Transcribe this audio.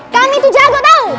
kami tuh jago tau